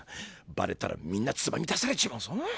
バレたらみんなつまみ出されちまうぞ。